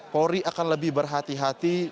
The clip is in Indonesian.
polri akan lebih berhati hati